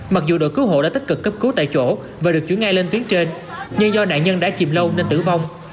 mặc dù đội cứu hộ đã tích cực cấp cứu tại chỗ và được chuyển ngay lên tuyến trên nhưng do nạn nhân đã chìm lâu nên tử vong